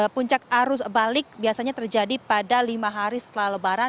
puncak arus balik biasanya terjadi pada lima hari setelah lebaran